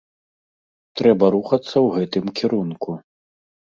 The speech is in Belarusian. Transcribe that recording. Трэба рухацца ў гэтым кірунку.